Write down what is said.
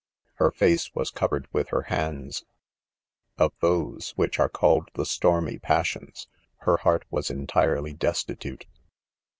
Her face was covered with her hands. Of those which are called the stormy passions, her heart was : entirely destitute.